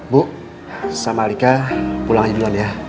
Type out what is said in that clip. bu sama alika pulang aja duluan ya